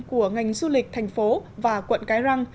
của ngành du lịch thành phố và quận cái răng